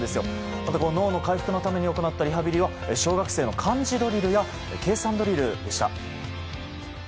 また、脳の回復のために行ったリハビリは小学生の漢字ドリルや計算ドリルでした。